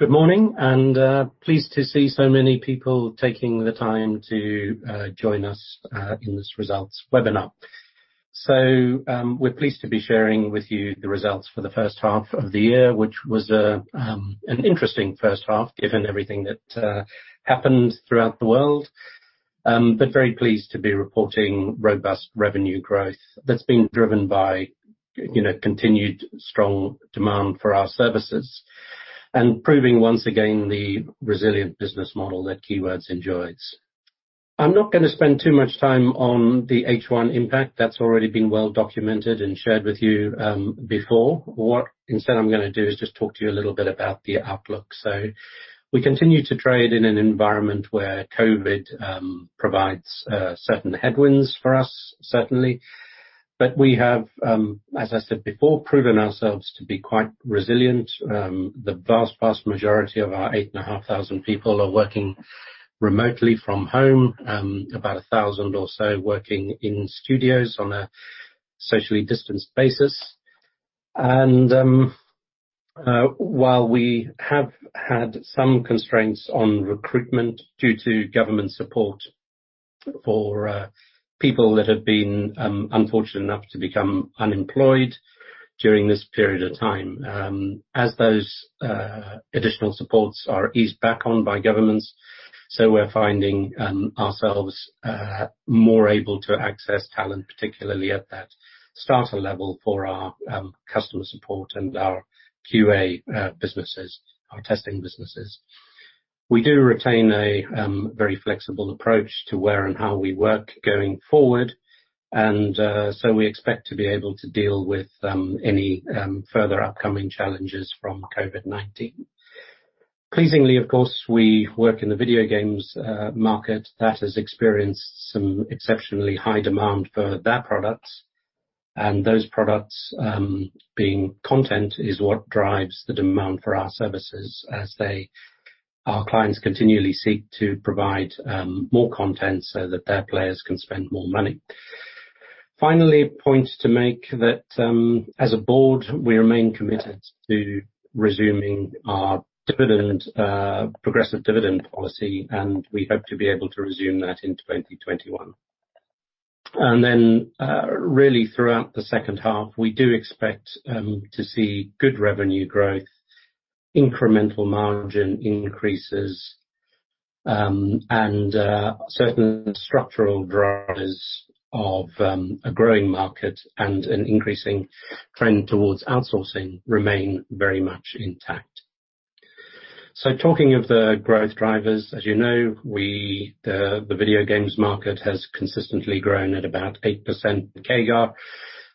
Good morning, pleased to see so many people taking the time to join us in this results webinar. We're pleased to be sharing with you the results for the first half of the year, which was an interesting first half given everything that happened throughout the world. Very pleased to be reporting robust revenue growth that's been driven by continued strong demand for our services, and proving once again the resilient business model that Keywords enjoys. I'm not going to spend too much time on the H1 impact. That's already been well documented and shared with you before. What instead I'm going to do is just talk to you a little bit about the outlook. We continue to trade in an environment where COVID provides certain headwinds for us, certainly, but we have, as I said before, proven ourselves to be quite resilient. The vast majority of our 8,500 people are working remotely from home, about 1,000 people or so working in studios on a socially distanced basis. While we have had some constraints on recruitment due to government support for people that have been unfortunate enough to become unemployed during this period of time, as those additional supports are eased back on by governments, we are finding ourselves more able to access talent, particularly at that starter level for our customer support and our QA businesses, our testing businesses. We do retain a very flexible approach to where and how we work going forward. We expect to be able to deal with any further upcoming challenges from COVID-19. Pleasingly, of course, we work in the video games market that has experienced some exceptionally high demand for their products. Those products, being content, is what drives the demand for our services as our clients continually seek to provide more content so that their players can spend more money. Finally, a point to make that as a board, we remain committed to resuming our progressive dividend policy, and we hope to be able to resume that in 2021. Then really throughout the second half, we do expect to see good revenue growth, incremental margin increases, and certain structural drivers of a growing market and an increasing trend towards outsourcing remain very much intact. Talking of the growth drivers, as you know, the video games market has consistently grown at about 8% CAGR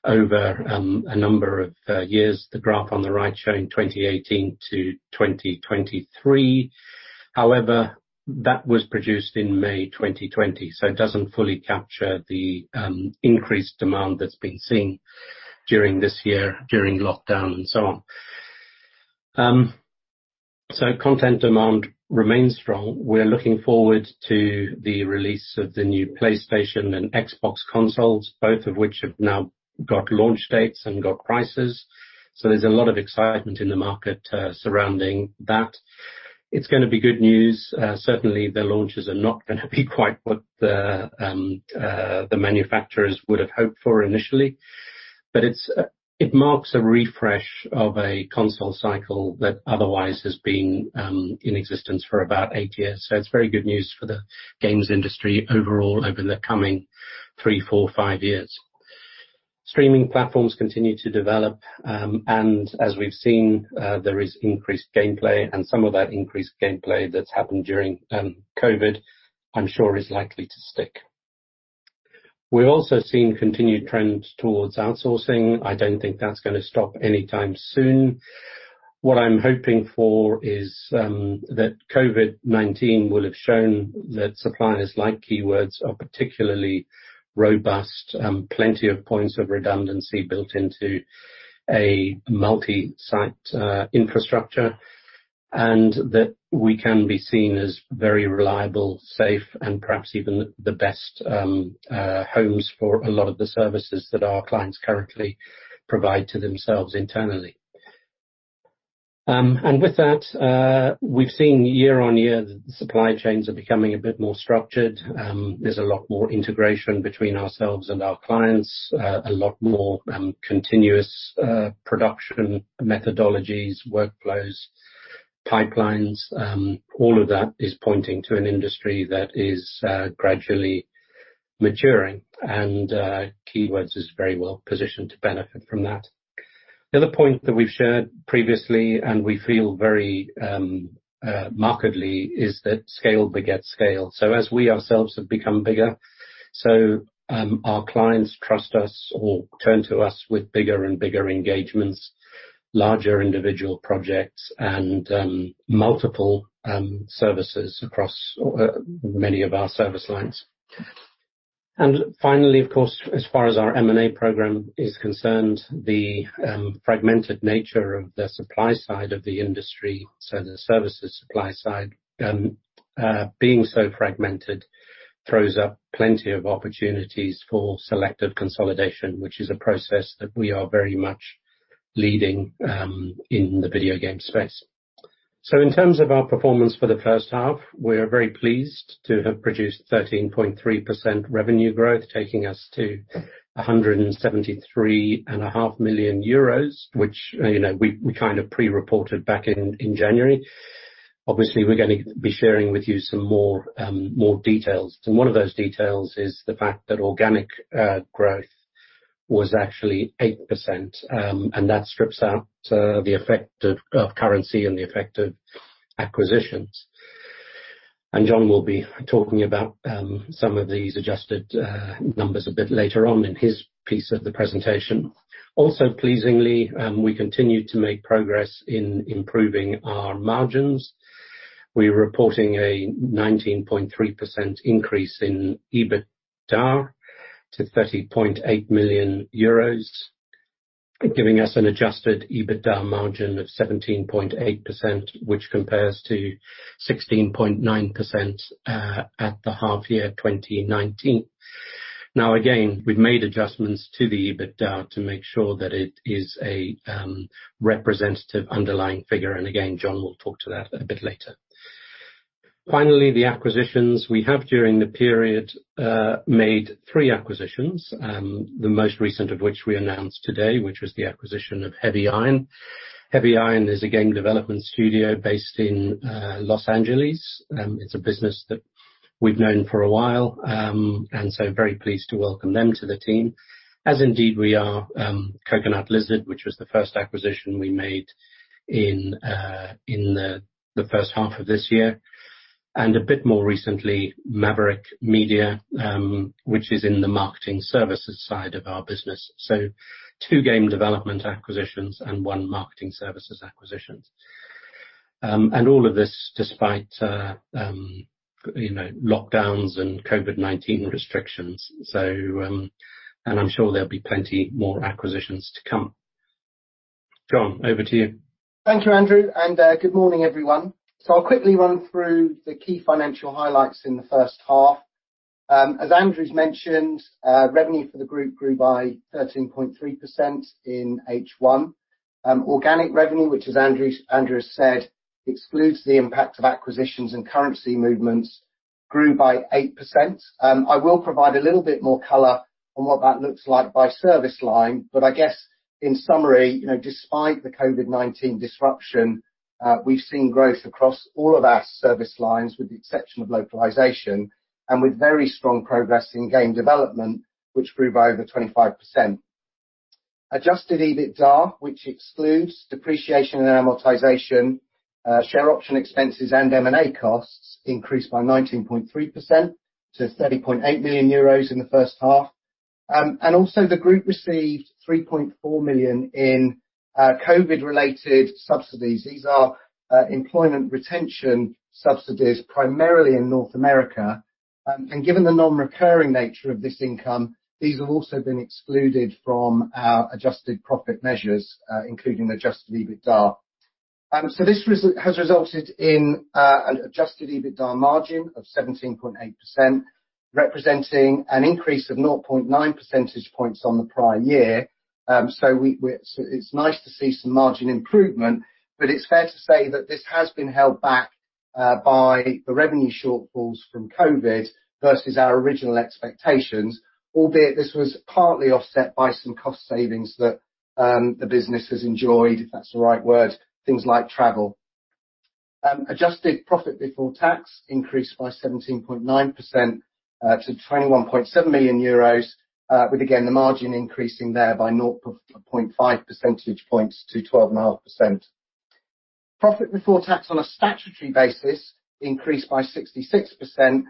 over a number of years, the graph on the right showing 2018 to 2023. However, that was produced in May 2020, so it doesn't fully capture the increased demand that's been seen during this year, during lockdown and so on. Content demand remains strong. We're looking forward to the release of the new PlayStation and Xbox consoles, both of which have now got launch dates and got prices. There's a lot of excitement in the market surrounding that. It's going to be good news. Certainly, the launches are not going to be quite what the manufacturers would have hoped for initially. It marks a refresh of a console cycle that otherwise has been in existence for about eight years. It's very good news for the games industry overall over the coming three, four, five years. Streaming platforms continue to develop. As we've seen, there is increased gameplay, some of that increased gameplay that's happened during COVID, I'm sure is likely to stick. We're also seeing continued trends towards outsourcing. I don't think that's going to stop anytime soon. What I'm hoping for is that COVID-19 will have shown that suppliers like Keywords are particularly robust, plenty of points of redundancy built into a multi-site infrastructure, and that we can be seen as very reliable, safe, and perhaps even the best homes for a lot of the services that our clients currently provide to themselves internally. With that, we've seen year on year that the supply chains are becoming a bit more structured. There's a lot more integration between ourselves and our clients, a lot more continuous production methodologies, workflows, pipelines. All of that is pointing to an industry that is gradually maturing, and Keywords is very well positioned to benefit from that. The other point that we've shared previously, and we feel very markedly, is that scale begets scale. As we ourselves have become bigger, so our clients trust us or turn to us with bigger and bigger engagements, larger individual projects, and multiple services across many of our service lines. Finally, of course, as far as our M&A program is concerned, the fragmented nature of the supply side of the industry, so the services supply side, being so fragmented throws up plenty of opportunities for selective consolidation, which is a process that we are very much leading in the video game space. In terms of our performance for the first half, we are very pleased to have produced 13.3% revenue growth, taking us to 173.5 million euros, which we pre-reported back in January. Obviously, we're going to be sharing with you some more details. One of those details is the fact that organic growth was actually 8%, and that strips out the effect of currency and the effect of acquisitions. Jon will be talking about some of these adjusted numbers a bit later on in his piece of the presentation. Also pleasingly, we continue to make progress in improving our margins. We're reporting a 19.3% increase in EBITDA to 30.8 million euros, giving us an adjusted EBITDA margin of 17.8%, which compares to 16.9% at the half year 2019. Again, we've made adjustments to the EBITDA to make sure that it is a representative underlying figure. Again, Jon will talk to that a bit later. Finally, the acquisitions. We have, during the period, made three acquisitions, the most recent of which we announced today, which was the acquisition of Heavy Iron. Heavy Iron is a game development studio based in Los Angeles. It's a business that we've known for a while, and so very pleased to welcome them to the team. As indeed we are Coconut Lizard, which was the first acquisition we made in the first half of this year, and a bit more recently, Maverick Media, which is in the marketing services side of our business. Two game development acquisitions and one marketing services acquisitions. All of this despite lockdowns and COVID-19 restrictions. I'm sure there'll be plenty more acquisitions to come. Jon, over to you. Thank you, Andrew. Good morning, everyone. I'll quickly run through the key financial highlights in the first half. As Andrew's mentioned, revenue for the group grew by 13.3% in H1. Organic revenue, which as Andrew has said, excludes the impact of acquisitions and currency movements, grew by 8%. I will provide a little bit more color on what that looks like by service line, but I guess in summary, despite the COVID-19 disruption, we've seen growth across all of our service lines, with the exception of localization and with very strong progress in game development, which grew by over 25%. Adjusted EBITDA, which excludes depreciation and amortization, share option expenses, and M&A costs, increased by 19.3% to 30.8 million euros in the first half. Also the group received 3.4 million in COVID related subsidies. These are employment retention subsidies primarily in North America. Given the non-recurring nature of this income, these have also been excluded from our adjusted profit measures, including the adjusted EBITDA. This has resulted in an adjusted EBITDA margin of 17.8%, representing an increase of 0.9 percentage points on the prior year. It's nice to see some margin improvement, but it's fair to say that this has been held back by the revenue shortfalls from COVID versus our original expectations. Albeit this was partly offset by some cost savings that the business has enjoyed, if that's the right word, things like travel. Adjusted profit before tax increased by 17.9% to 21.7 million euros, with again, the margin increasing there by 0.5 percentage points to 12.5%. Profit before tax on a statutory basis increased by 66%.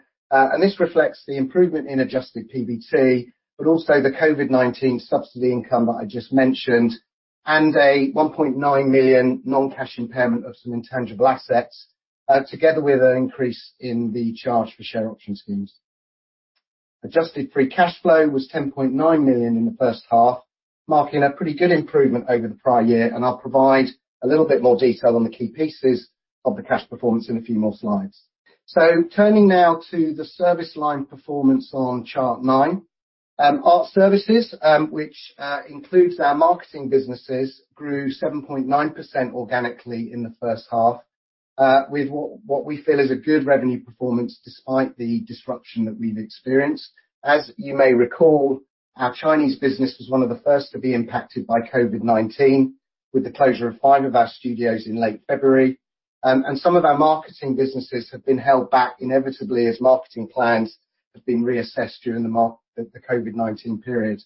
This reflects the improvement in adjusted PBT, but also the COVID-19 subsidy income that I just mentioned, and a 1.9 million non-cash impairment of some intangible assets, together with an increase in the charge for share option schemes. Adjusted free cash flow was 10.9 million in the first half, marking a pretty good improvement over the prior year. I'll provide a little bit more detail on the key pieces of the cash performance in a few more slides. Turning now to the service line performance on chart nine. Art services, which includes our marketing businesses, grew 7.9% organically in the first half. With what we feel is a good revenue performance despite the disruption that we've experienced. As you may recall, our Chinese business was one of the first to be impacted by COVID-19 with the closure of five of our studios in late February. Some of our marketing businesses have been held back inevitably as marketing plans have been reassessed during the COVID-19 period.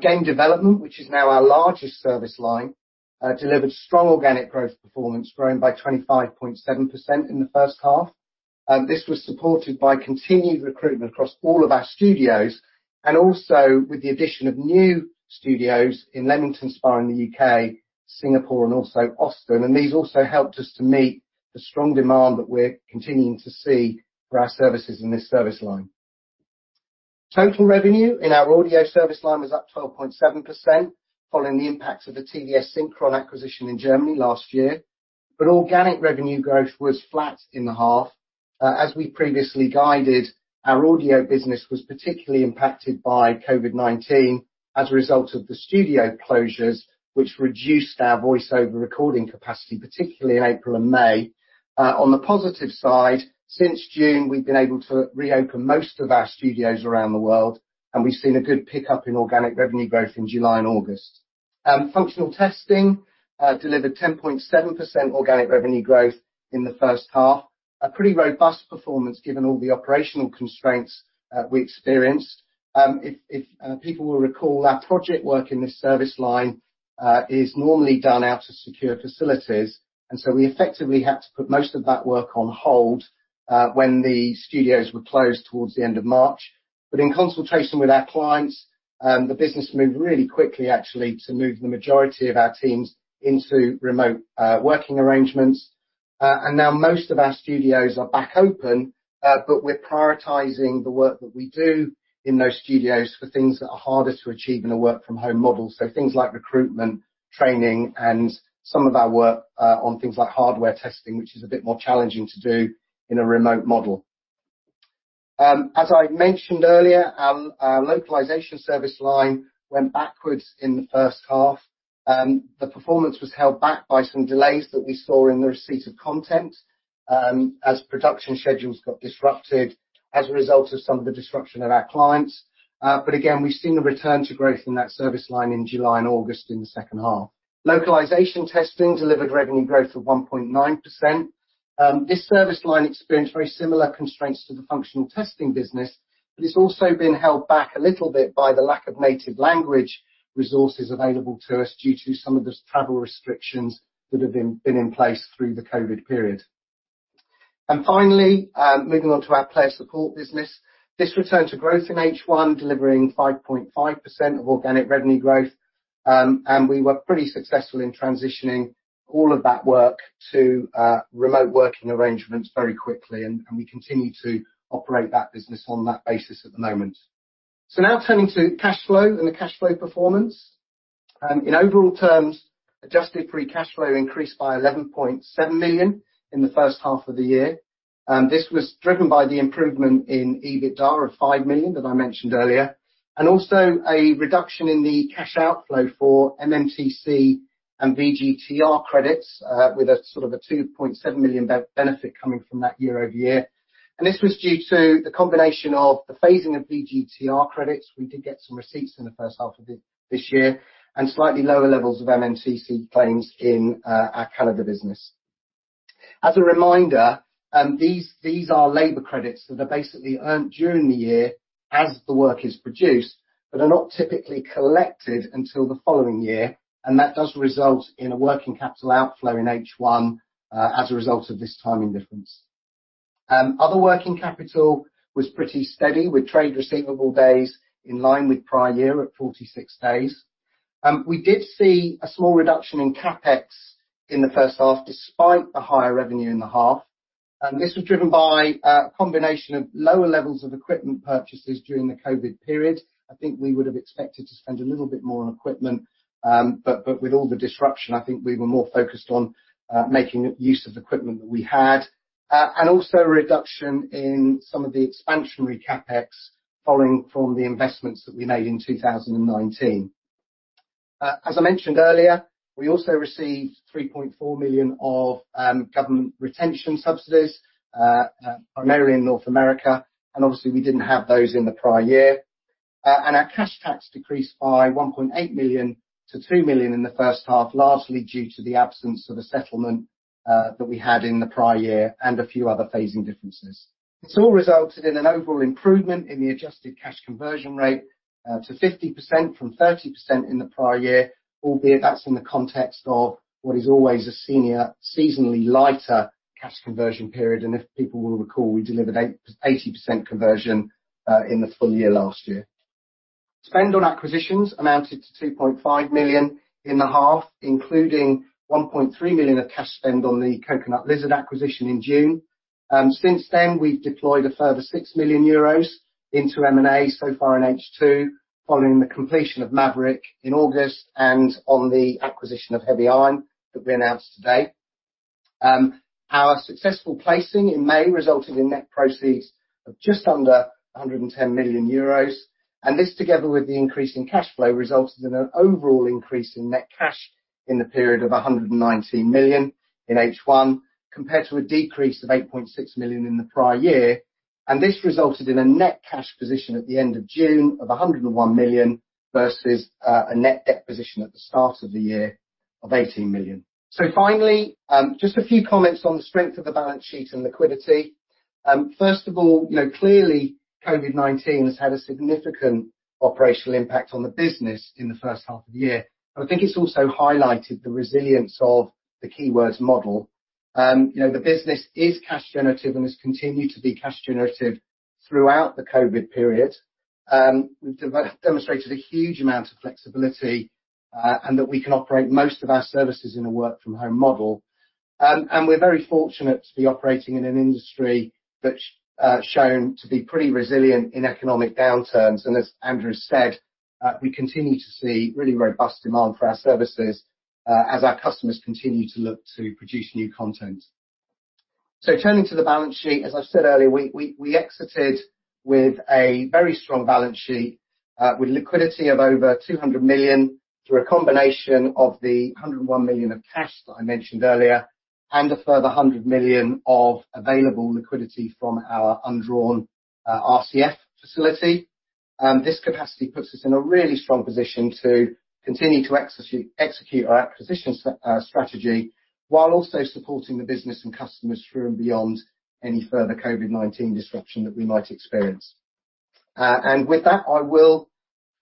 Game development, which is now our largest service line, delivered strong organic growth performance growing by 25.7% in the first half. This was supported by continued recruitment across all of our studios and also with the addition of new studios in Leamington Spa in the U.K., Singapore and also Austin. These also helped us to meet the strong demand that we're continuing to see for our services in this service line. Total revenue in our audio service line was up 12.7% following the impact of the TV+Synchron acquisition in Germany last year. Organic revenue growth was flat in the half. As we previously guided, our audio business was particularly impacted by COVID-19 as a result of the studio closures, which reduced our voiceover recording capacity, particularly in April and May. On the positive side, since June, we've been able to reopen most of our studios around the world, and we've seen a good pickup in organic revenue growth in July and August. Functional testing delivered 10.7% organic revenue growth in the first half. A pretty robust performance given all the operational constraints we experienced. If people will recall, our project work in this service line is normally done out of secure facilities, we effectively had to put most of that work on hold when the studios were closed towards the end of March. In consultation with our clients, the business moved really quickly actually to move the majority of our teams into remote working arrangements. Now most of our studios are back open, but we're prioritizing the work that we do in those studios for things that are harder to achieve in a work from home model. Things like recruitment, training, and some of our work on things like hardware testing, which is a bit more challenging to do in a remote model. As I mentioned earlier, our localization service line went backwards in the first half. The performance was held back by some delays that we saw in the receipt of content, as production schedules got disrupted as a result of some of the disruption of our clients. Again, we've seen a return to growth in that service line in July and August in the second half. Localization testing delivered revenue growth of 1.9%. This service line experienced very similar constraints to the functional testing business, but it's also been held back a little bit by the lack of native language resources available to us due to some of the travel restrictions that have been in place through the COVID-19 period. Finally, moving on to our player support business. This returned to growth in H1, delivering 5.5% of organic revenue growth. We were pretty successful in transitioning all of that work to remote working arrangements very quickly, and we continue to operate that business on that basis at the moment. Now turning to cash flow and the cash flow performance. In overall terms, adjusted free cash flow increased by 11.7 million in the first half of the year. This was driven by the improvement in EBITDA of 5 million that I mentioned earlier, also a reduction in the cash outflow for MMTC and VGTR credits, with a sort of a 2.7 million benefit coming from that year-over-year. This was due to the combination of the phasing of VGTR credits. We did get some receipts in the first half of this year, slightly lower levels of MMTC claims in our Canada business. As a reminder, these are labor credits that are basically earned during the year as the work is produced, but are not typically collected until the following year, that does result in a working capital outflow in H1, as a result of this timing difference. Other working capital was pretty steady with trade receivable days in line with prior year at 46 days. We did see a small reduction in CapEx in the first half despite the higher revenue in the half. This was driven by a combination of lower levels of equipment purchases during the COVID period. I think we would have expected to spend a little bit more on equipment, but with all the disruption, I think we were more focused on making use of equipment that we had. Also a reduction in some of the expansionary CapEx following from the investments that we made in 2019. As I mentioned earlier, we also received 3.4 million of government retention subsidies, primarily in North America, obviously we didn't have those in the prior year. Our cash tax decreased by 1.8 million to 2 million in the first half, largely due to the absence of a settlement that we had in the prior year and a few other phasing differences. This all resulted in an overall improvement in the adjusted cash conversion rate, to 50% from 30% in the prior year, albeit that's in the context of what is always a seasonally lighter cash conversion period, and if people will recall, we delivered 80% conversion in the full year last year. Spend on acquisitions amounted to 2.5 million in the half, including 1.3 million of cash spend on the Coconut Lizard acquisition in June. Since then, we've deployed a further 6 million euros into M&A so far in H2 following the completion of Maverick in August and on the acquisition of Heavy Iron that we announced today. Our successful placing in May resulted in net proceeds of just under 110 million euros. This, together with the increase in cash flow, resulted in an overall increase in net cash in the period of 119 million in H1, compared to a decrease of 8.6 million in the prior year. This resulted in a net cash position at the end of June of 101 million versus a net debt position at the start of the year of 18 million. Finally, just a few comments on the strength of the balance sheet and liquidity. First of all, clearly COVID-19 has had a significant operational impact on the business in the first half of the year. I think it's also highlighted the resilience of the Keywords model. The business is cash generative and has continued to be cash generative throughout the COVID period. We've demonstrated a huge amount of flexibility, that we can operate most of our services in a work from home model. We're very fortunate to be operating in an industry that's shown to be pretty resilient in economic downturns. As Andrew said, we continue to see really robust demand for our services as our customers continue to look to produce new content. Turning to the balance sheet, as I've said earlier, we exited with a very strong balance sheet with liquidity of over 200 million through a combination of the 101 million of cash that I mentioned earlier, and a further 100 million of available liquidity from our undrawn RCF facility. This capacity puts us in a really strong position to continue to execute our acquisition strategy while also supporting the business and customers through and beyond any further COVID-19 disruption that we might experience. With that, I will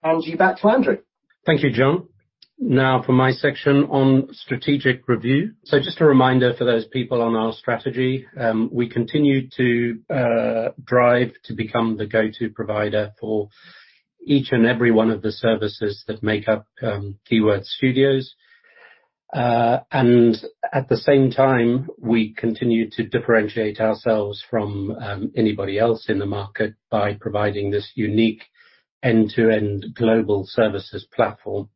hand you back to Andrew. Thank you, Jon. Now for my section on strategic review. Just a reminder for those people on our strategy. We continue to drive to become the go-to provider for each and every one of the services that make up Keywords Studios. At the same time, we continue to differentiate ourselves from anybody else in the market by providing this unique end-to-end global services platform.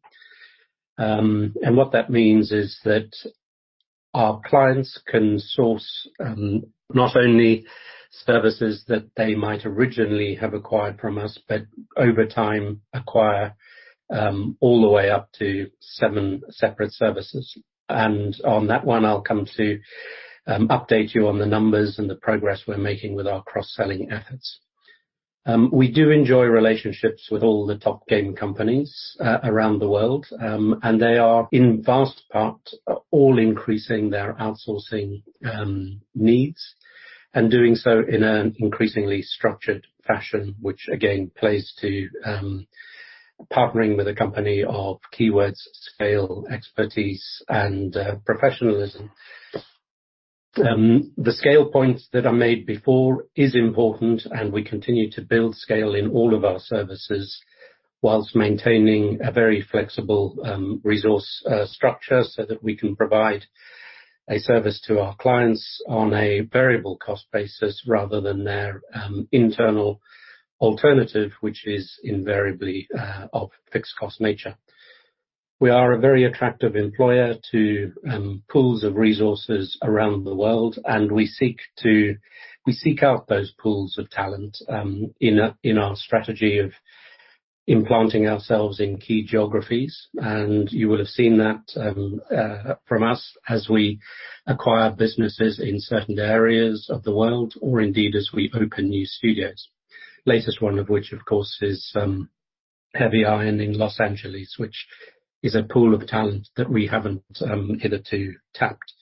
What that means is that our clients can source not only services that they might originally have acquired from us, but over time acquire all the way up to seven separate services. On that one I'll come to update you on the numbers and the progress we're making with our cross-selling efforts. We do enjoy relationships with all the top game companies around the world, and they are in vast part all increasing their outsourcing needs and doing so in an increasingly structured fashion, which again plays to partnering with a company of Keywords' scale, expertise, and professionalism. The scale points that I made before is important, and we continue to build scale in all of our services while maintaining a very flexible resource structure so that we can provide a service to our clients on a variable cost basis rather than their internal alternative, which is invariably of fixed cost nature. We are a very attractive employer to pools of resources around the world, and we seek out those pools of talent in our strategy of implanting ourselves in key geographies. You will have seen that from us as we acquire businesses in certain areas of the world or indeed as we open new studios. Latest one of which, of course, is Heavy Iron in Los Angeles, which is a pool of talent that we haven't hitherto tapped.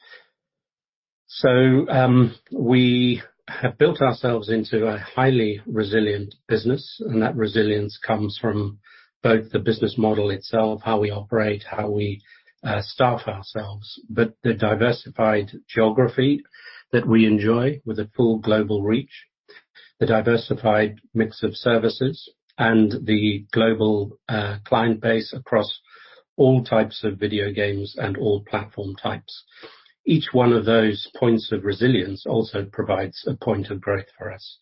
We have built ourselves into a highly resilient business, and that resilience comes from both the business model itself, how we operate, how we staff ourselves, but the diversified geography that we enjoy with a full global reach. The diversified mix of services and the global client base across all types of video games and all platform types. Each one of those points of resilience also provides a point of growth for us.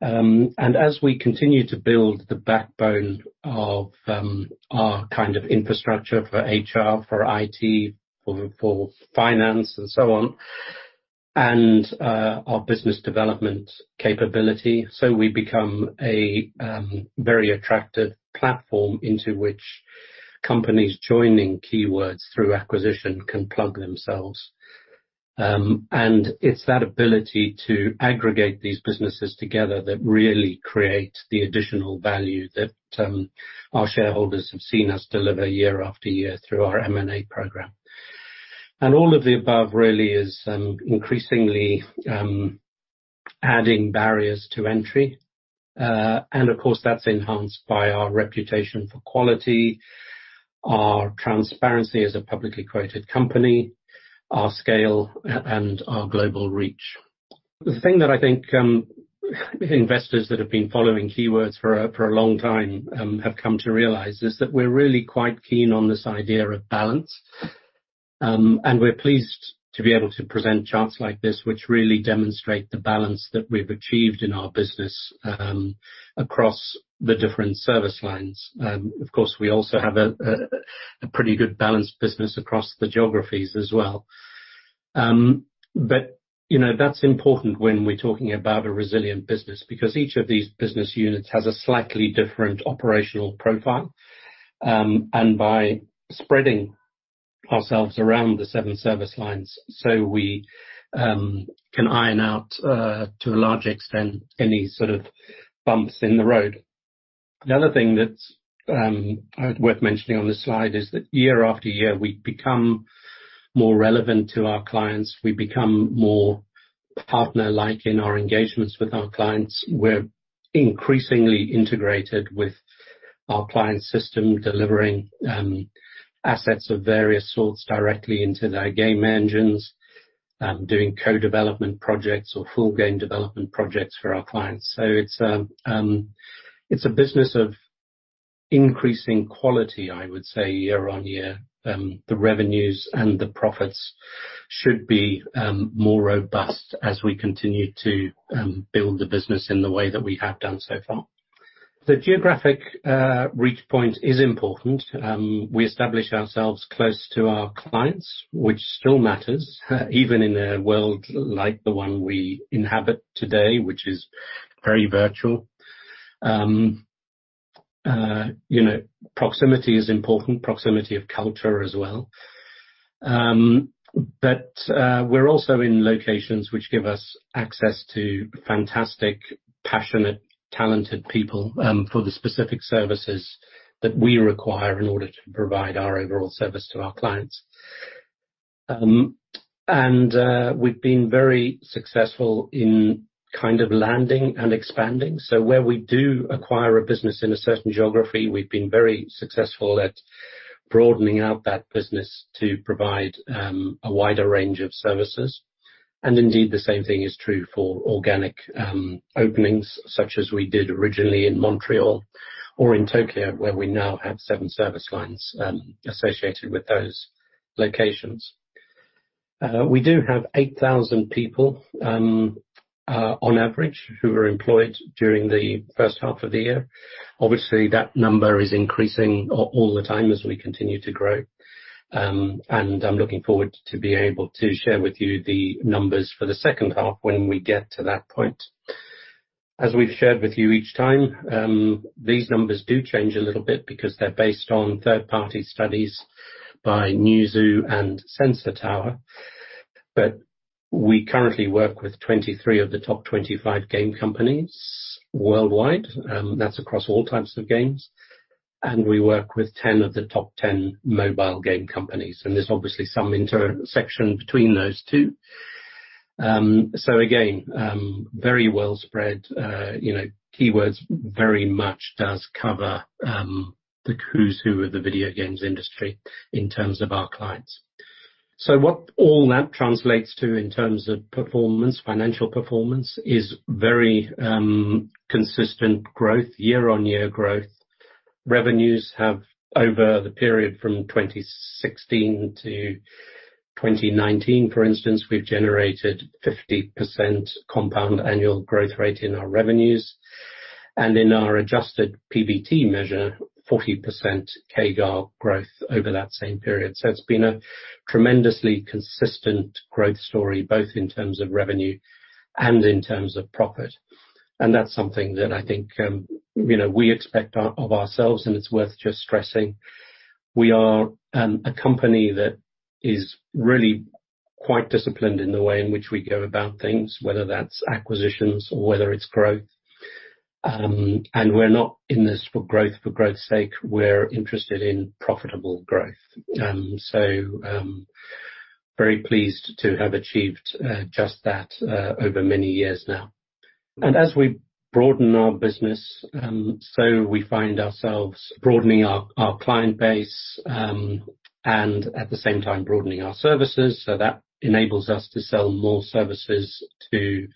As we continue to build the backbone of our kind of infrastructure for HR, for IT, for finance and so on, and our business development capability, so we become a very attractive platform into which companies joining Keywords through acquisition can plug themselves. It's that ability to aggregate these businesses together that really creates the additional value that our shareholders have seen us deliver year after year through our M&A program. All of the above really is increasingly adding barriers to entry. Of course, that's enhanced by our reputation for quality, our transparency as a publicly quoted company, our scale, and our global reach. The thing that I think investors that have been following Keywords for a long time have come to realize is that we're really quite keen on this idea of balance. We're pleased to be able to present charts like this which really demonstrate the balance that we've achieved in our business across the different service lines. Of course, we also have a pretty good balanced business across the geographies as well. That's important when we're talking about a resilient business because each of these business units has a slightly different operational profile. By spreading ourselves around the seven service lines, so we can iron out, to a large extent, any sort of bumps in the road. The other thing that's worth mentioning on this slide is that year after year, we become more relevant to our clients. We become more partner-like in our engagements with our clients. We're increasingly integrated with our clients' system, delivering assets of various sorts directly into their game engines, doing co-development projects or full game development projects for our clients. It's a business of increasing quality, I would say year-on-year. The revenues and the profits should be more robust as we continue to build the business in the way that we have done so far. The geographic reach point is important. We establish ourselves close to our clients, which still matters even in a world like the one we inhabit today, which is very virtual. Proximity is important, proximity of culture as well. We're also in locations which give us access to fantastic, passionate, talented people for the specific services that we require in order to provide our overall service to our clients. We've been very successful in kind of landing and expanding. Where we do acquire a business in a certain geography, we've been very successful at broadening out that business to provide a wider range of services. The same thing is true for organic openings, such as we did originally in Montreal or in Tokyo, where we now have 7 service lines associated with those locations. We do have 8,000 people on average, who were employed during the first half of the year. Obviously, that number is increasing all the time as we continue to grow. I'm looking forward to being able to share with you the numbers for the second half when we get to that point. As we've shared with you each time, these numbers do change a little bit because they're based on third-party studies by Newzoo and Sensor Tower. We currently work with 23 of the top 25 game companies worldwide, that's across all types of games. We work with 10 of the top 10 mobile game companies, and there's obviously some intersection between those two. Again, very well spread. Keywords very much does cover the who's who of the video games industry in terms of our clients. What all that translates to in terms of financial performance is very consistent growth, year-on-year growth. Revenues have over the period from 2016 to 2019, for instance, we've generated 50% compound annual growth rate in our revenues. In our adjusted PBT measure, 40% CAGR growth over that same period. It's been a tremendously consistent growth story, both in terms of revenue and in terms of profit. That's something that I think we expect of ourselves, and it's worth just stressing. We are a company that is really quite disciplined in the way in which we go about things, whether that's acquisitions or whether it's growth. We're not in this for growth for growth's sake. We're interested in profitable growth. Very pleased to have achieved just that over many years now. As we broaden our business, so we find ourselves broadening our client base, and at the same time broadening our services. That enables us to sell more services to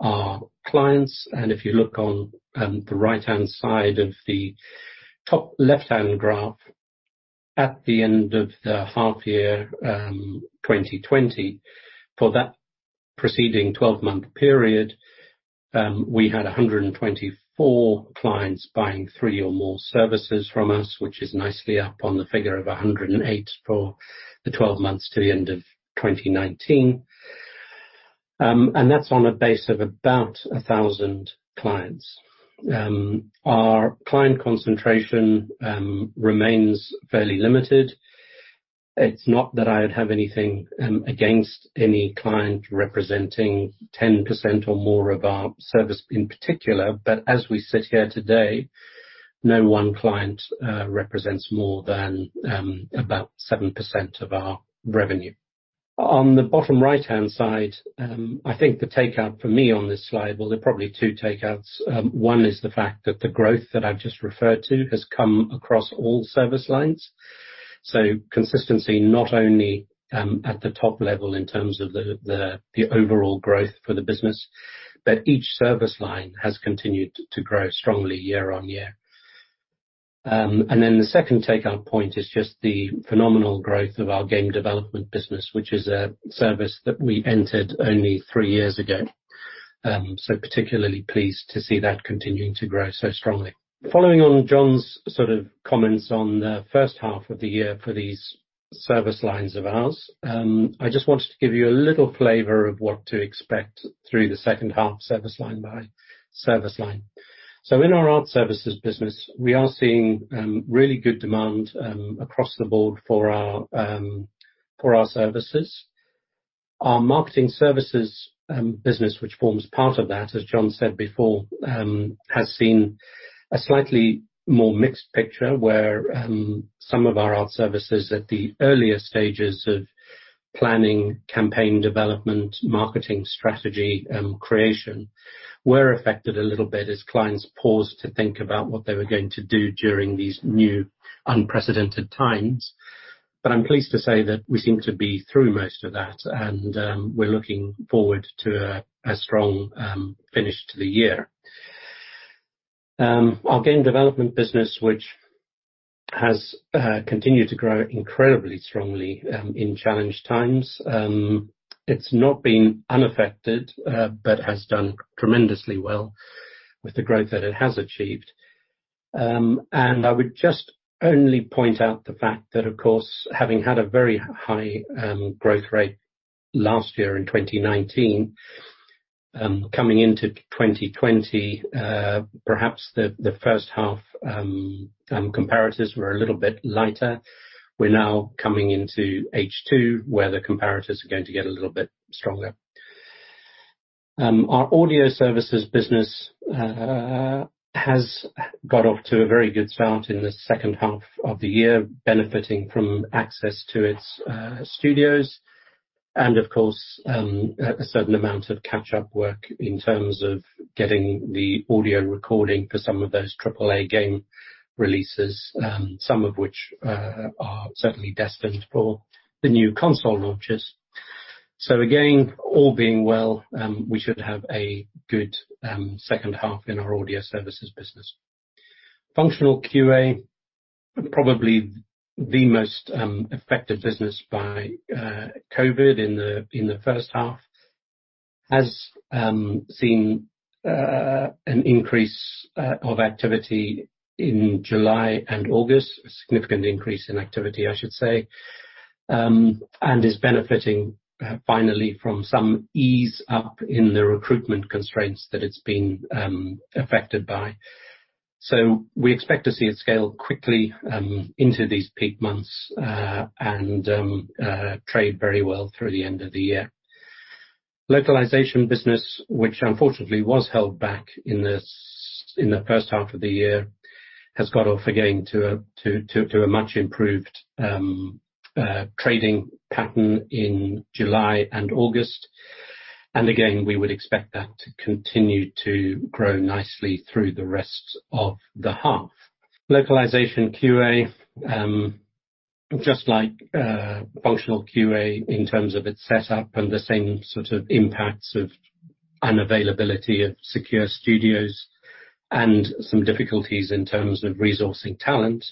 our clients. If you look on the right-hand side of the top left-hand graph, at the end of the half year 2020, for that preceding 12-month period, we had 124 clients buying three or more services from us, which is nicely up on the figure of 108 for the 12 months to the end of 2019. That's on a base of about 1,000 clients. Our client concentration remains fairly limited. It's not that I have anything against any client representing 10% or more of our service in particular, but as we sit here today, no one client represents more than about 7% of our revenue. On the bottom right-hand side, I think the takeout for me on this slide, well, there are probably two takeouts. One is the fact that the growth that I've just referred to has come across all service lines. Consistency, not only at the top level in terms of the overall growth for the business, but each service line has continued to grow strongly year on year. The second takeout point is just the phenomenal growth of our game development business, which is a service that we entered only three years ago. Particularly pleased to see that continuing to grow so strongly. Following on Jon's sort of comments on the first half of the year for these service lines of ours, I just wanted to give you a little flavor of what to expect through the second half, service line by service line. In our art services business, we are seeing really good demand across the board for our services. Our marketing services business, which forms part of that, as Jon said before, has seen a slightly more mixed picture, where some of our art services at the earlier stages of planning, campaign development, marketing strategy, and creation were affected a little bit as clients paused to think about what they were going to do during these new unprecedented times. I'm pleased to say that we seem to be through most of that, and we're looking forward to a strong finish to the year. Our game development business, which has continued to grow incredibly strongly in challenged times. It's not been unaffected, but has done tremendously well with the growth that it has achieved. I would just only point out the fact that, of course, having had a very high growth rate last year in 2019, coming into 2020, perhaps the first half comparators were a little bit lighter. We're now coming into H2, where the comparators are going to get a little bit stronger. Our audio services business has got off to a very good start in the second half of the year, benefiting from access to its studios and, of course, a certain amount of catch-up work in terms of getting the audio recording for some of those AAA game releases, some of which are certainly destined for the new console launches. Again, all being well, we should have a good second half in our audio services business. Functional QA, probably the most affected business by COVID in the first half, has seen an increase of activity in July and August, a significant increase in activity, I should say, and is benefiting finally from some ease up in the recruitment constraints that it's been affected by. We expect to see it scale quickly into these peak months, and trade very well through the end of the year. Localization business, which unfortunately was held back in the first half of the year, has got off again to a much improved trading pattern in July and August. Again, we would expect that to continue to grow nicely through the rest of the half. Localization QA, just like functional QA in terms of its setup and the same sort of impacts of unavailability of secure studios and some difficulties in terms of resourcing talent,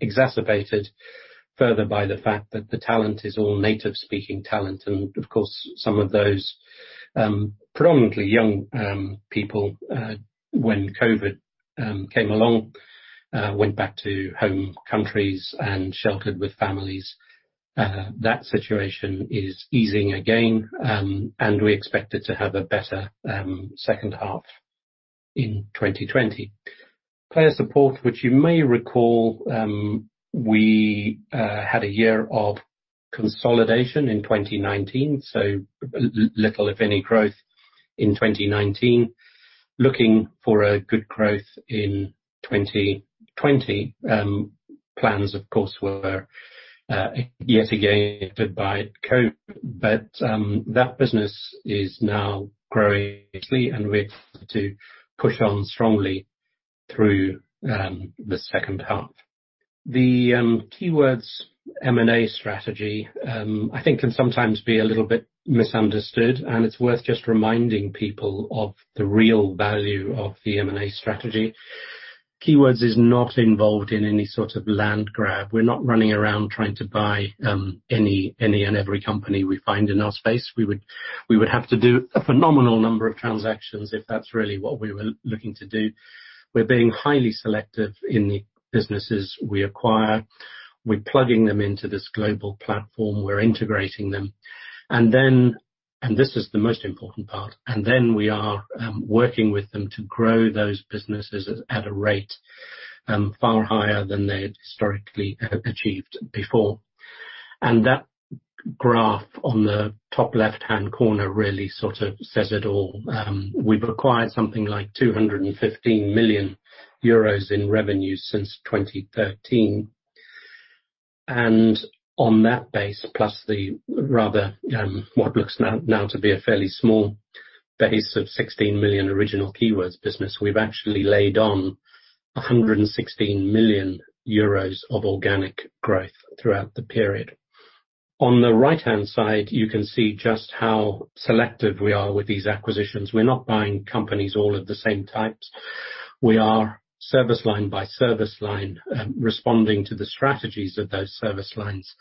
exacerbated further by the fact that the talent is all native speaking talent. Of course, some of those predominantly young people, when COVID came along, went back to home countries and sheltered with families. That situation is easing again, and we expect it to have a better second half in 2020. Player support, which you may recall, we had a year of consolidation in 2019, so little, if any, growth in 2019. Looking for a good growth in 2020. Plans, of course, were yet again affected by COVID, but that business is now growing and we expect to push on strongly through the second half. The Keywords M&A strategy I think can sometimes be a little bit misunderstood, and it's worth just reminding people of the real value of the M&A strategy. Keywords is not involved in any sort of land grab. We're not running around trying to buy any and every company we find in our space. We would have to do a phenomenal number of transactions if that's really what we were looking to do. We're being highly selective in the businesses we acquire. We're plugging them into this global platform. We're integrating them. This is the most important part, and then we are working with them to grow those businesses at a rate far higher than they had historically achieved before. That graph on the top left hand corner really sort of says it all. We've acquired something like 215 million euros in revenue since 2013. On that base, plus the rather what looks now to be a fairly small base of 16 million original Keywords business, we've actually laid on 116 million euros of organic growth throughout the period. On the right-hand side, you can see just how selective we are with these acquisitions. We're not buying companies all of the same types. We are service line by service line, responding to the strategies of those service lines,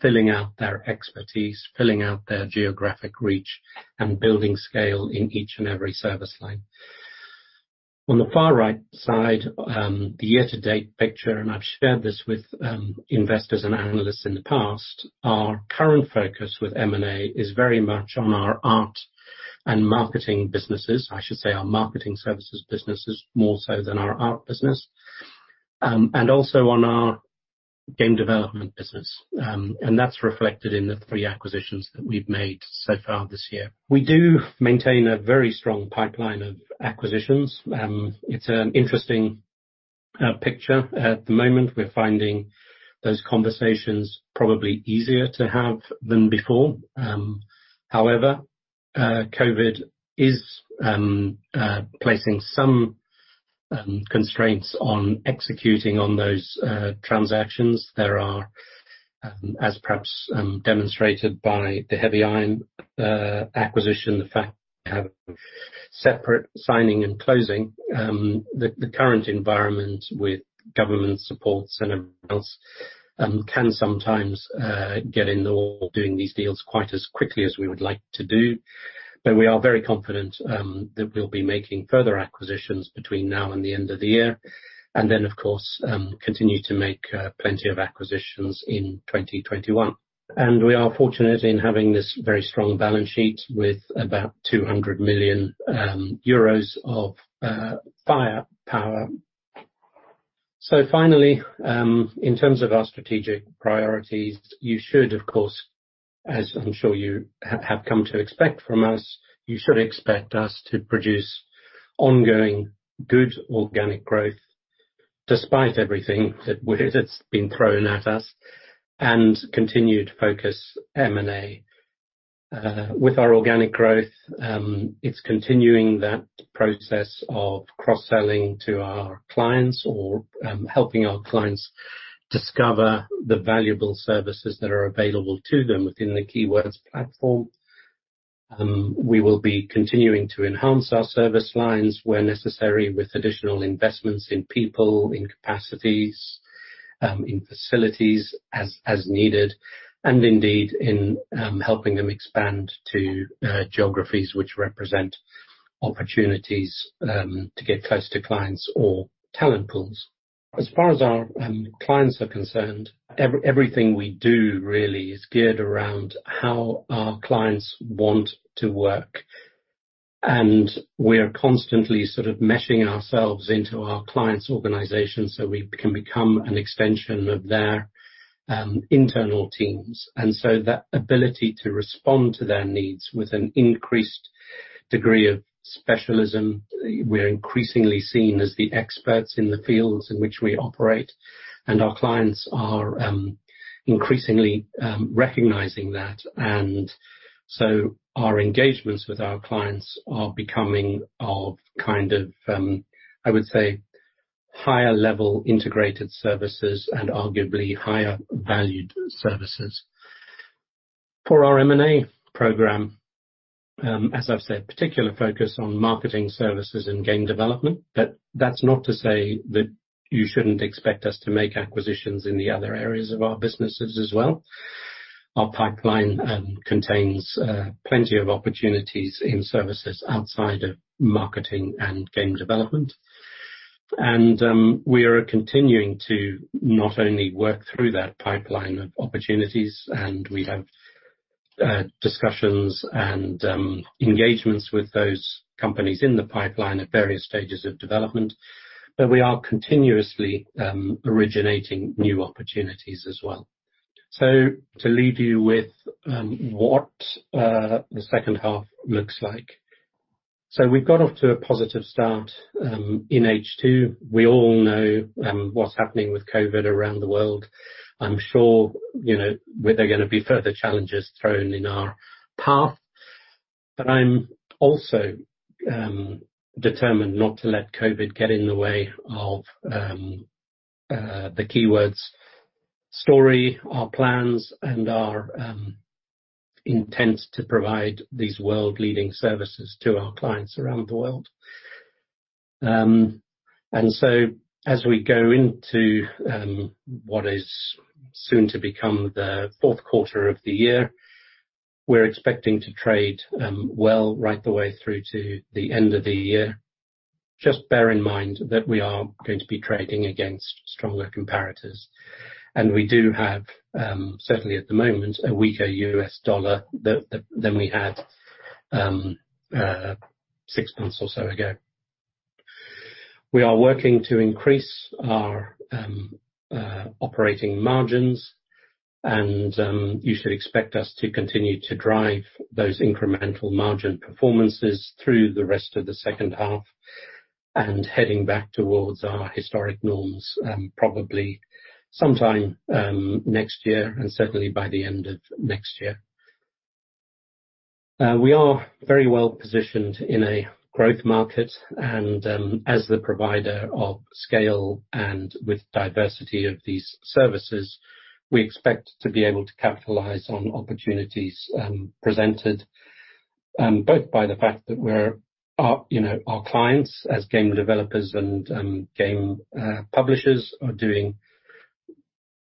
filling out their expertise, filling out their geographic reach, and building scale in each and every service line. On the far right side, the year to date picture, and I've shared this with investors and analysts in the past, our current focus with M&A is very much on our art and marketing businesses. I should say our marketing services businesses more so than our art business, and also on our game development business. That's reflected in the three acquisitions that we've made so far this year. We do maintain a very strong pipeline of acquisitions. It's an interesting picture at the moment. We're finding those conversations probably easier to have than before. However, COVID-19 is placing some constraints on executing on those transactions. As perhaps demonstrated by the Heavy Iron acquisition, the fact we have separate signing and closing, the current environment with government supports and everyone else can sometimes get in the way of doing these deals quite as quickly as we would like to do. We are very confident that we'll be making further acquisitions between now and the end of the year, and then of course, continue to make plenty of acquisitions in 2021. We are fortunate in having this very strong balance sheet with about 200 million euros of firepower. Finally, in terms of our strategic priorities, you should, of course, as I'm sure you have come to expect from us, you should expect us to produce ongoing good organic growth despite everything that has been thrown at us, and continued focus M&A. With our organic growth, it's continuing that process of cross-selling to our clients or helping our clients discover the valuable services that are available to them within the Keywords platform. We will be continuing to enhance our service lines where necessary with additional investments in people, in capacities, in facilities as needed, and indeed in helping them expand to geographies which represent opportunities to get close to clients or talent pools. As far as our clients are concerned, everything we do really is geared around how our clients want to work. We are constantly meshing ourselves into our clients' organizations so we can become an extension of their internal teams. That ability to respond to their needs with an increased degree of specialism, we're increasingly seen as the experts in the fields in which we operate, and our clients are increasingly recognizing that. Our engagements with our clients are becoming of, I would say, higher level integrated services and arguably higher valued services. For our M&A program, as I've said, particular focus on marketing services and game development. That's not to say that you shouldn't expect us to make acquisitions in the other areas of our businesses as well. Our pipeline contains plenty of opportunities in services outside of marketing and game development. We are continuing to not only work through that pipeline of opportunities, and we have discussions and engagements with those companies in the pipeline at various stages of development, but we are continuously originating new opportunities as well. To leave you with what the second half looks like. We've got off to a positive start in H2. We all know what's happening with COVID around the world. I'm sure there are going to be further challenges thrown in our path. I'm also determined not to let COVID get in the way of the Keywords story, our plans, and our intent to provide these world-leading services to our clients around the world. As we go into what is soon to become the fourth quarter of the year, we're expecting to trade well right the way through to the end of the year. Just bear in mind that we are going to be trading against stronger comparators. We do have, certainly at the moment, a weaker US dollar than we had six months or so ago. We are working to increase our operating margins, and you should expect us to continue to drive those incremental margin performances through the rest of the second half, and heading back towards our historic norms probably sometime next year, and certainly by the end of next year. We are very well positioned in a growth market, and as the provider of scale and with diversity of these services, we expect to be able to capitalize on opportunities presented, both by the fact that our clients as game developers and game publishers are doing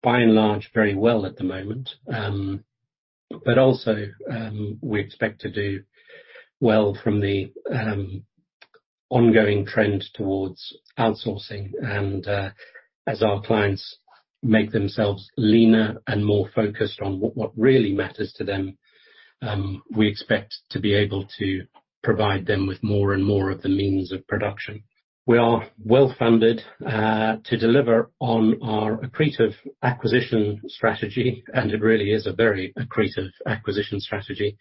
by and large very well at the moment. Also we expect to do well from the ongoing trend towards outsourcing. As our clients make themselves leaner and more focused on what really matters to them, we expect to be able to provide them with more and more of the means of production. We are well funded to deliver on our accretive acquisition strategy. It really is a very accretive acquisition strategy.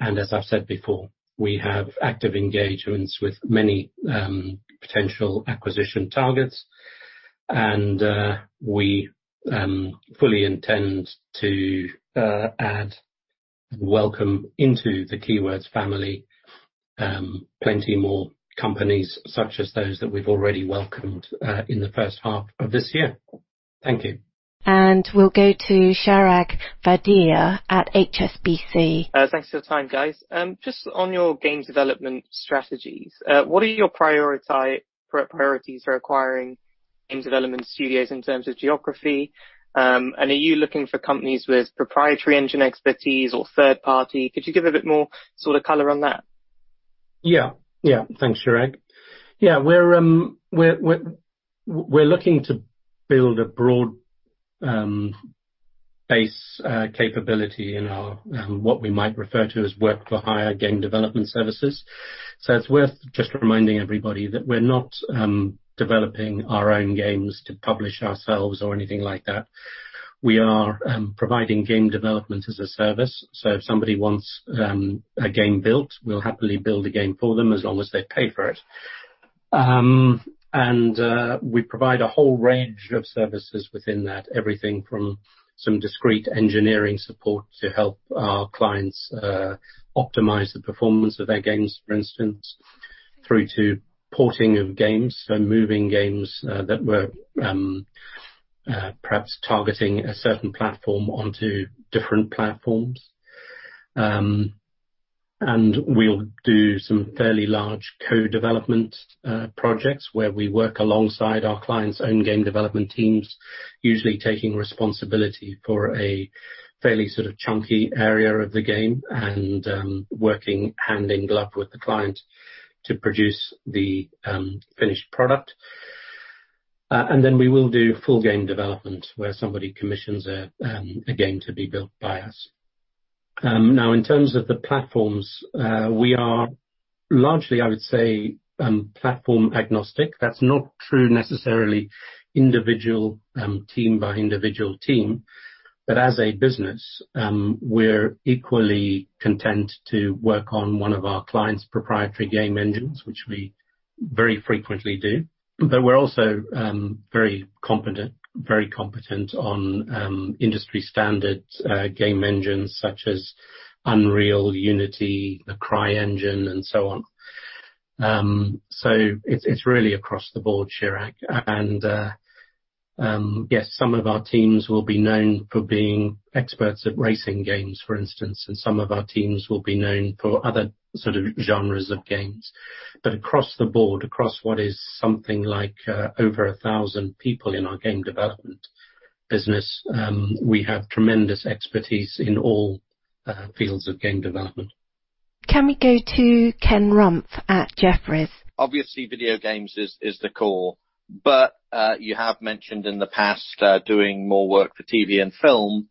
As I've said before, we have active engagements with many potential acquisition targets, and we fully intend to addWelcome into the Keywords family. Plenty more companies such as those that we've already welcomed in the first half of this year. Thank you. We'll go to Chirag Vadhia at HSBC. Thanks for your time, guys. Just on your game development strategies, what are your priorities for acquiring game development studios in terms of geography? Are you looking for companies with proprietary engine expertise or third party? Could you give a bit more sort of color on that? Thanks, Chirag. We're looking to build a broad base capability in our, what we might refer to as work-for-hire game development services. It's worth just reminding everybody that we're not developing our own games to publish ourselves or anything like that. We are providing game development as a service, so if somebody wants a game built, we'll happily build a game for them as long as they pay for it. We provide a whole range of services within that. Everything from some discrete engineering support to help our clients optimize the performance of their games, for instance, through to porting of games. Moving games that were perhaps targeting a certain platform onto different platforms. We'll do some fairly large co-development projects where we work alongside our clients' own game development teams, usually taking responsibility for a fairly sort of chunky area of the game and working hand in glove with the client to produce the finished product. Then we will do full game development where somebody commissions a game to be built by us. In terms of the platforms, we are largely, I would say, platform agnostic. That's not true necessarily individual team by individual team, but as a business, we're equally content to work on one of our clients' proprietary game engines, which we very frequently do, but we're also very competent on industry standard game engines such as Unreal, Unity, the CryEngine and so on. It's really across the board, Chirag, and yes, some of our teams will be known for being experts at racing games, for instance, and some of our teams will be known for other sort of genres of games. Across the board, across what is something like over 1,000 people in our game development business, we have tremendous expertise in all fields of game development. Can we go to Ken Rumph at Jefferies? Obviously, video games is the core, but you have mentioned in the past doing more work for TV and film,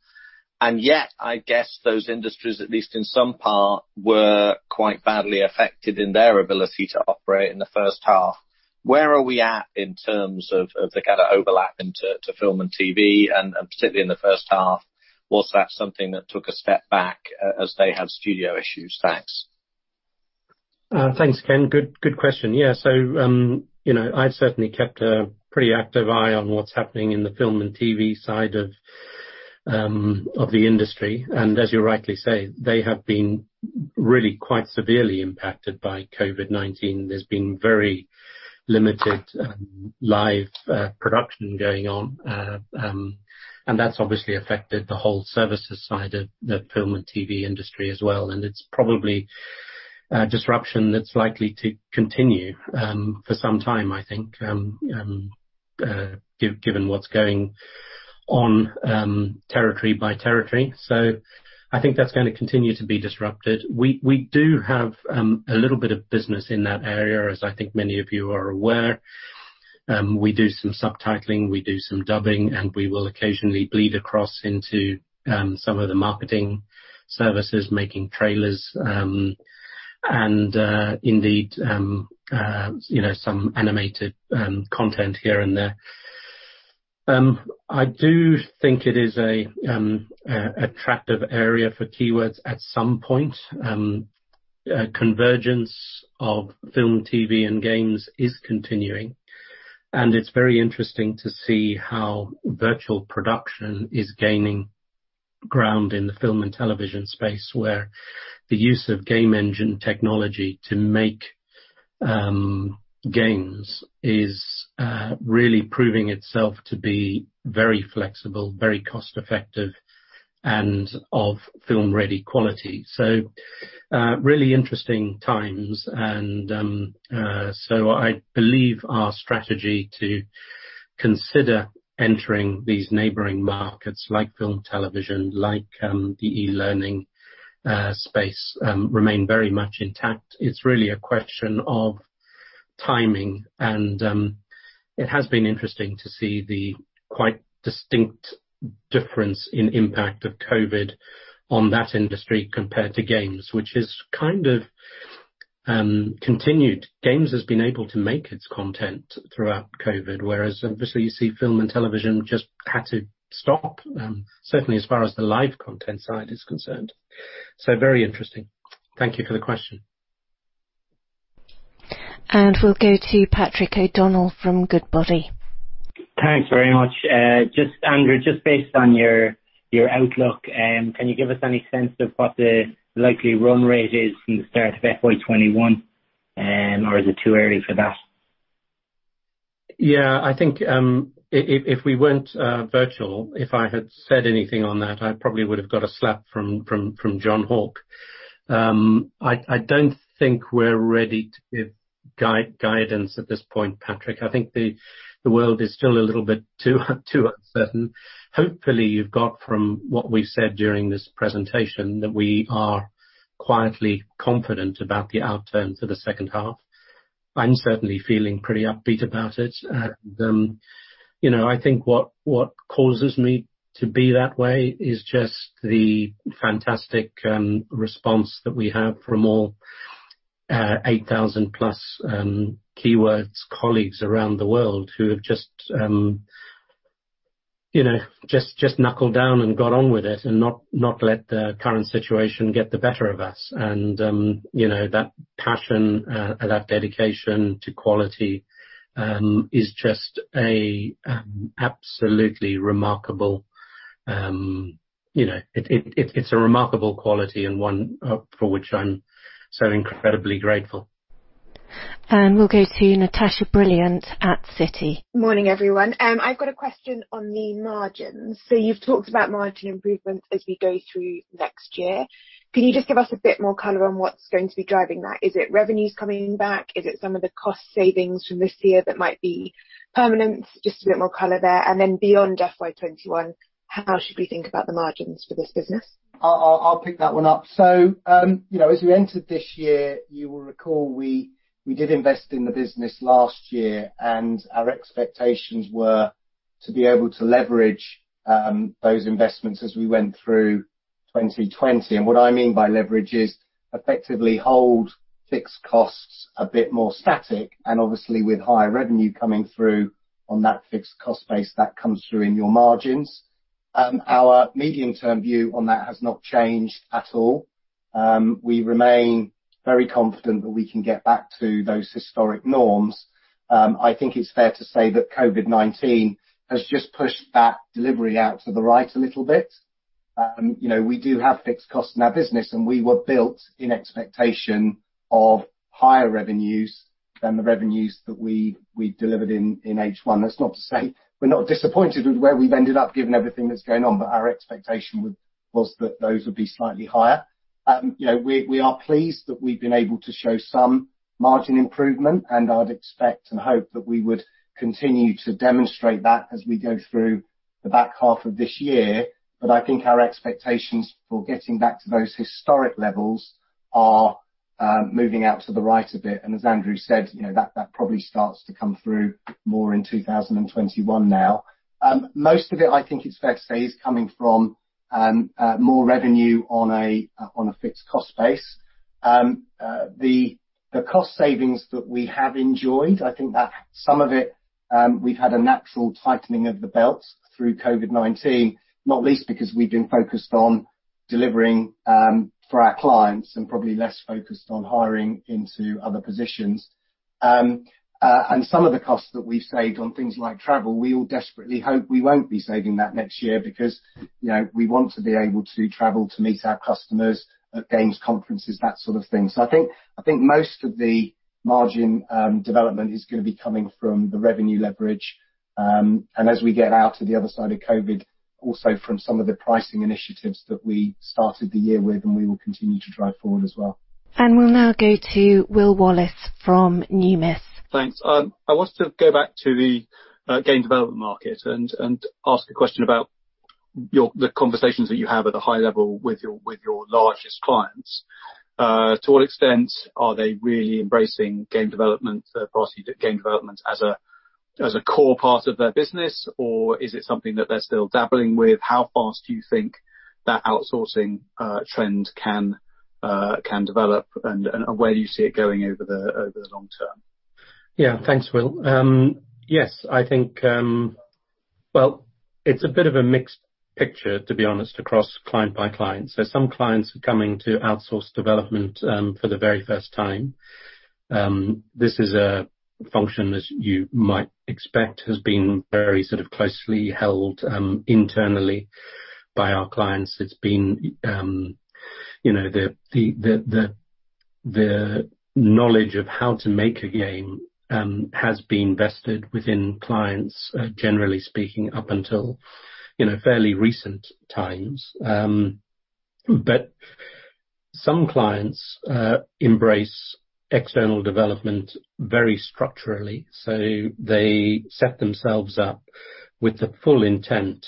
and yet, I guess those industries, at least in some part, were quite badly affected in their ability to operate in the first half. Where are we at in terms of the kind of overlap into film and TV and particularly in the first half? Was that something that took a step back as they had studio issues? Thanks. Thanks, Ken. Good question. Yeah. I've certainly kept a pretty active eye on what's happening in the film and TV side of the industry, and as you rightly say, they have been really quite severely impacted by COVID-19. There's been very limited live production going on, and that's obviously affected the whole services side of the film and TV industry as well, and it's probably a disruption that's likely to continue for some time, I think, given what's going on territory by territory. I think that's going to continue to be disrupted. We do have a little bit of business in that area, as I think many of you are aware. We do some subtitling, we do some dubbing, and we will occasionally bleed across into some of the marketing services, making trailers, and indeed, some animated content here and there. I do think it is an attractive area for Keywords at some point. Convergence of film, TV, and games is continuing, and it's very interesting to see how virtual production is gaining ground in the film and television space, where the use of game engine technology to make games is really proving itself to be very flexible, very cost-effective, and of film-ready quality. Really interesting times. I believe our strategy to consider entering these neighboring markets like film, television, like the e-learning space, remain very much intact. It's really a question of timing, and it has been interesting to see the quite distinct difference in impact of COVID on that industry compared to games, which has kind of continued. Games has been able to make its content throughout COVID, whereas obviously you see film and television just had to stop, certainly as far as the live content side is concerned. Very interesting. Thank you for the question. We'll go to Patrick O'Donnell from Goodbody. Thanks very much. Andrew, just based on your outlook, can you give us any sense of what the likely run rate is from the start of FY 2021? Is it too early for that? I think if we weren't virtual, if I had said anything on that, I probably would have got a slap from Jon Hauck. I don't think we're ready to give guidance at this point, Patrick. I think the world is still a little bit too uncertain. Hopefully, you've got from what we've said during this presentation that we are quietly confident about the outturn for the second half. I'm certainly feeling pretty upbeat about it. I think what causes me to be that way is just the fantastic response that we have from all 8,000 plus Keywords colleagues around the world who have just knuckled down and got on with it, and not let the current situation get the better of us. That passion, that dedication to quality is just absolutely remarkable. It's a remarkable quality and one for which I'm so incredibly grateful. We'll go to Natasha Brilliant at Citi. Morning, everyone. I've got a question on the margins. You've talked about margin improvements as we go through next year. Can you just give us a bit more color on what's going to be driving that? Is it revenues coming back? Is it some of the cost savings from this year that might be permanent? Just a bit more color there. Beyond FY 2021, how should we think about the margins for this business? I'll pick that one up. As we entered this year, you will recall we did invest in the business last year, and our expectations were to be able to leverage those investments as we went through 2020. What I mean by leverage is effectively hold fixed costs a bit more static, and obviously with higher revenue coming through on that fixed cost base, that comes through in your margins. Our medium-term view on that has not changed at all. We remain very confident that we can get back to those historic norms. I think it's fair to say that COVID-19 has just pushed that delivery out to the right a little bit. We do have fixed costs in our business, and we were built in expectation of higher revenues than the revenues that we delivered in H1. That's not to say we're not disappointed with where we've ended up, given everything that's going on, but our expectation was that those would be slightly higher. We are pleased that we've been able to show some margin improvement, and I'd expect and hope that we would continue to demonstrate that as we go through the back half of this year. I think our expectations for getting back to those historic levels are moving out to the right a bit. As Andrew said, that probably starts to come through more in 2021 now. Most of it, I think it's fair to say, is coming from more revenue on a fixed cost base. The cost savings that we have enjoyed, I think that some of it we've had a natural tightening of the belt through COVID-19, not least because we've been focused on delivering for our clients and probably less focused on hiring into other positions. Some of the costs that we've saved on things like travel, we all desperately hope we won't be saving that next year because we want to be able to travel to meet our customers at games conferences, that sort of thing. I think most of the margin development is going to be coming from the revenue leverage, and as we get out to the other side of COVID, also from some of the pricing initiatives that we started the year with and we will continue to drive forward as well. We'll now go to Will Wallace from Numis. Thanks. I want to go back to the game development market and ask a question about the conversations that you have at a high level with your largest clients. To what extent are they really embracing game development as a core part of their business? Is it something that they're still dabbling with? How fast do you think that outsourcing trend can develop, and where do you see it going over the long term? Yeah. Thanks, Will. Yes. It's a bit of a mixed picture, to be honest, across client by client. Some clients are coming to outsource development for the very first time. This is a function, as you might expect, has been very sort of closely held internally by our clients. The knowledge of how to make a game has been vested within clients, generally speaking, up until fairly recent times. Some clients embrace external development very structurally. They set themselves up with the full intent,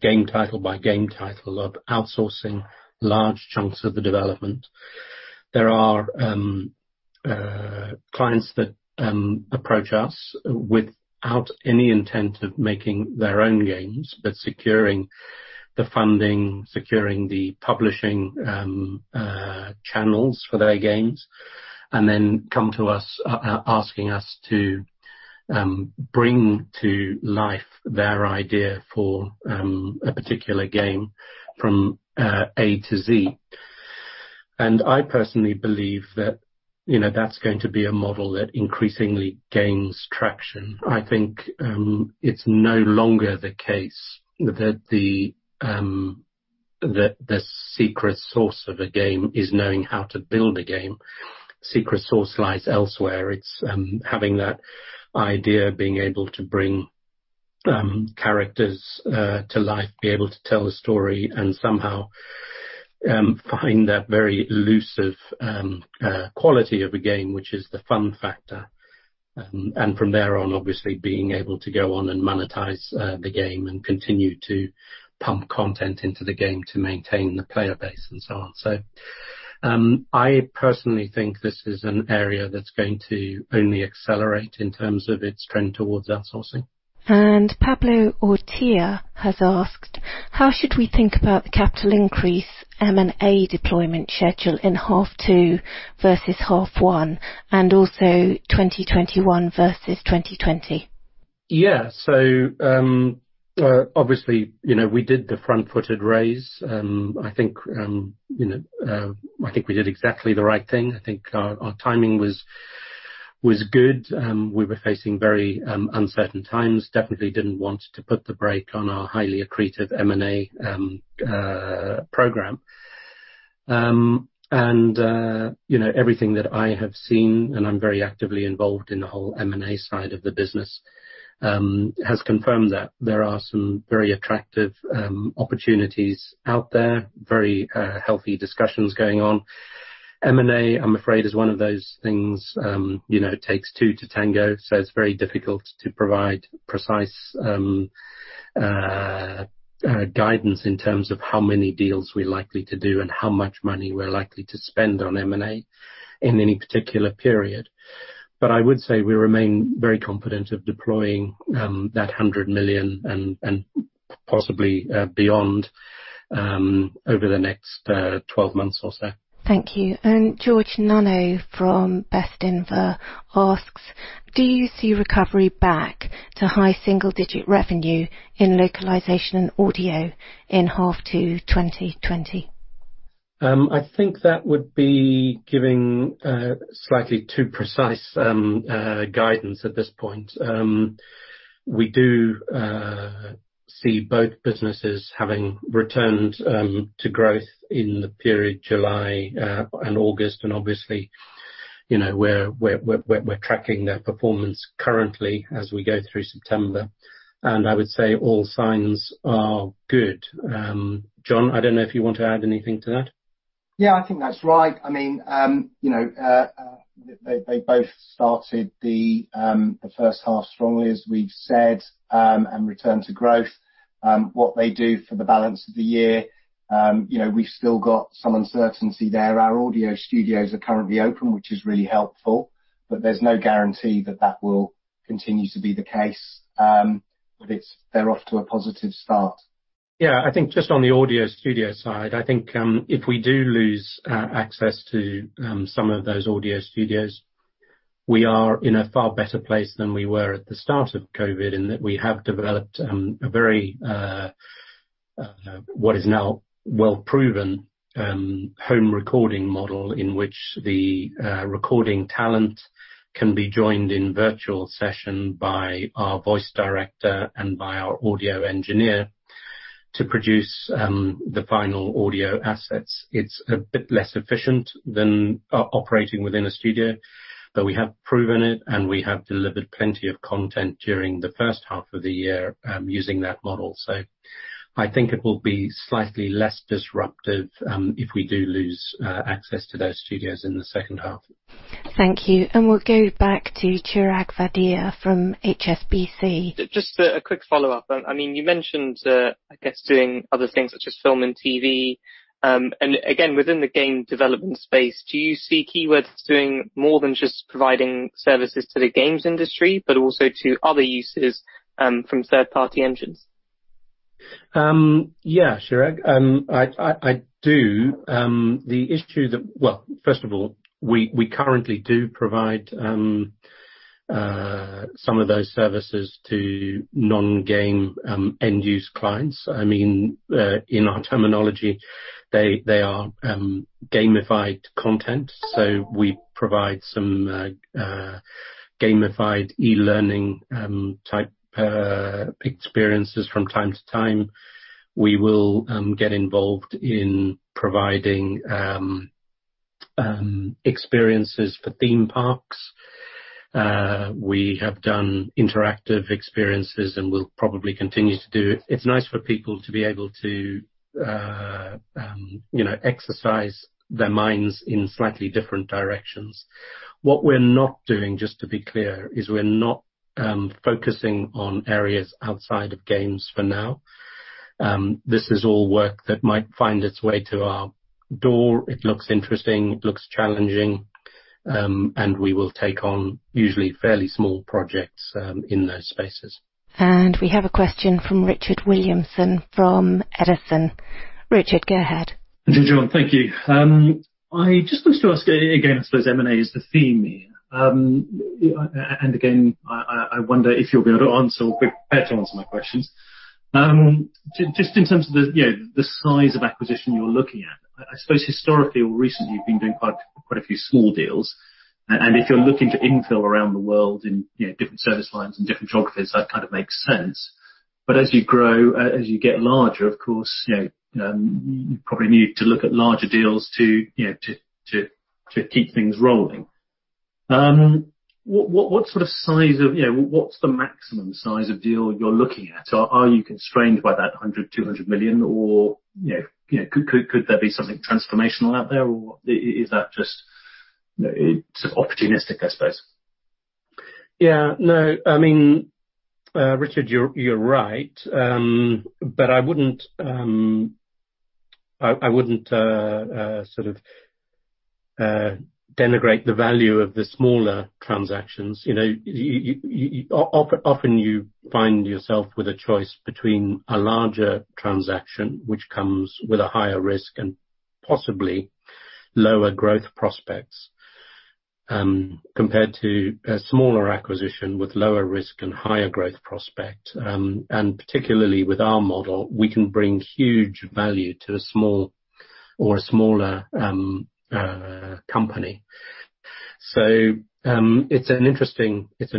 game title by game title, of outsourcing large chunks of the development. There are clients that approach us without any intent of making their own games, but securing the funding, securing the publishing channels for their games, and then come to us asking us to bring to life their idea for a particular game from A to Z. I personally believe that's going to be a model that increasingly gains traction. I think it's no longer the case that the secret sauce of a game is knowing how to build a game. Secret sauce lies elsewhere. It's having that idea, being able to bring characters to life, be able to tell a story, and somehow find that very elusive quality of a game, which is the fun factor. From there on, obviously being able to go on and monetize the game, and continue to pump content into the game to maintain the player base and so on. I personally think this is an area that's going to only accelerate in terms of its trend towards outsourcing. Pablo Ortea has asked, how should we think about the capital increase M&A deployment schedule in half two versus half one, and also 2021 versus 2020? Yeah. Obviously, we did the front-footed raise. I think we did exactly the right thing. I think our timing was good. We were facing very uncertain times. Definitely didn't want to put the brake on our highly accretive M&A program. Everything that I have seen, and I'm very actively involved in the whole M&A side of the business, has confirmed that there are some very attractive opportunities out there, very healthy discussions going on. M&A, I'm afraid, is one of those things, it takes two to tango, it's very difficult to provide precise guidance in terms of how many deals we're likely to do and how much money we're likely to spend on M&A in any particular period. I would say we remain very confident of deploying that 100 million and possibly beyond, over the next 12 months or so. Thank you. George Nanno from Bestinver asks, do you see recovery back to high single-digit revenue in localization and audio in half two 2020? I think that would be giving slightly too precise guidance at this point. We do see both businesses having returned to growth in the period July and August, and obviously we're tracking their performance currently as we go through September, and I would say all signs are good. Jon, I don't know if you want to add anything to that. Yeah, I think that's right. They both started the first half strongly, as we've said, and returned to growth. What they do for the balance of the year we've still got some uncertainty there. Our audio studios are currently open, which is really helpful, but there's no guarantee that that will continue to be the case. They're off to a positive start. I think just on the audio studio side, I think if we do lose access to some of those audio studios, we are in a far better place than we were at the start of COVID-19, in that we have developed a very, what is now well proven, home recording model in which the recording talent can be joined in virtual session by our voice director and by our audio engineer to produce the final audio assets. It's a bit less efficient than operating within a studio, but we have proven it, and we have delivered plenty of content during the first half of the year using that model. I think it will be slightly less disruptive if we do lose access to those studios in the second half. Thank you, and we'll go back to Chirag Vadhia from HSBC. Just a quick follow-up. You mentioned, I guess, doing other things such as film and TV, and again, within the game development space, do you see Keywords doing more than just providing services to the games industry, but also to other uses from third-party engines? Yeah, Chirag. I do. First of all, we currently do provide some of those services to non-game end-use clients. In our terminology, they are gamified content. We provide some gamified e-learning type experiences from time to time. We will get involved in providing experiences for theme parks. We have done interactive experiences and will probably continue to do it. It's nice for people to be able to exercise their minds in slightly different directions. What we're not doing, just to be clear, is we're not focusing on areas outside of games for now. This is all work that might find its way to our door. It looks interesting, it looks challenging, and we will take on usually fairly small projects in those spaces. We have a question from Richard Williamson from Edison. Richard, go ahead. Jon, thank you. I just wanted to ask, again, I suppose M&A is the theme here. Again, I wonder if you'll be able to answer or prepared to answer my questions. Just in terms of the size of acquisition you're looking at. I suppose historically or recently you've been doing quite a few small deals, and if you're looking to infill around the world in different service lines and different geographies, that kind of makes sense. As you grow, as you get larger, of course, you probably need to look at larger deals to keep things rolling. What's the maximum size of deal you're looking at? Are you constrained by that 100 million-200 million, or could there be something transformational out there, or is that just sort of opportunistic, I suppose? No. Richard, you're right, but I wouldn't sort of denigrate the value of the smaller transactions. Often you find yourself with a choice between a larger transaction, which comes with a higher risk and possibly lower growth prospects, compared to a smaller acquisition with lower risk and higher growth prospect. Particularly with our model, we can bring huge value to a small or a smaller company. It's an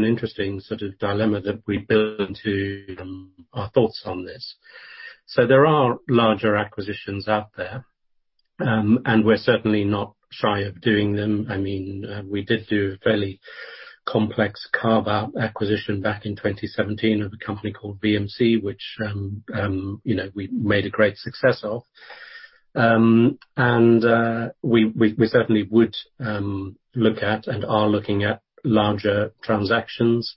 interesting sort of dilemma that we build into our thoughts on this. There are larger acquisitions out there, and we're certainly not shy of doing them. We did do a fairly complex carve-out acquisition back in 2017 of a company called VMC, which we made a great success of. We certainly would look at and are looking at larger transactions,